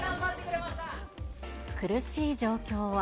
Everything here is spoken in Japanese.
苦しい状況は。